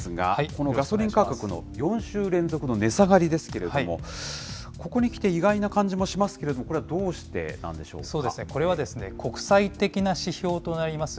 このガソリン価格の４週連続の値下がりですけれども、ここにきて意外な感じもしますけれども、これはどうしてなんでしこれは国際的な指標となります